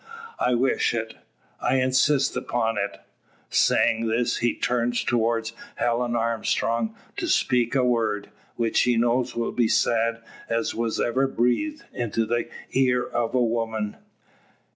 I wish it; I insist upon it!" Saying this, he turns towards Helen Armstrong to speak a word, which he knows will be sad as was ever breathed into the ear of woman.